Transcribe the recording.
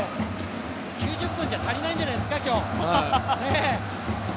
９０分じゃ足りないんじゃないですか、今日。